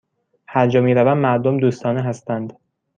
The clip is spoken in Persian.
هرجا می روم، مردم دوستانه هستند.